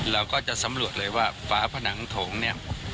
เราก็จะสำรวจเลยว่าฝาผนังถงเนี่ย